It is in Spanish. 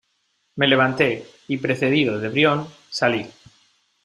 me levanté, y precedido de Brión , salí.